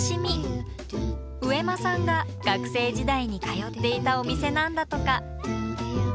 上間さんが学生時代に通っていたお店なんだとか。